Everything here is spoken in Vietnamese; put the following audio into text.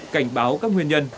cảnh báo các nguyên nhân